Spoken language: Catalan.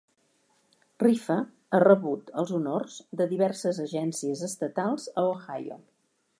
Riffe ha rebut els honors de diverses agències estatals a Ohio.